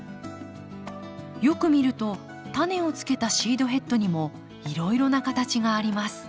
よく見るとタネをつけたシードヘッドにもいろいろな形があります。